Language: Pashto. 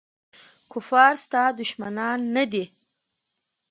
کفار ستا دښمنان نه دي.